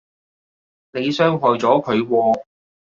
你傷害咗佢喎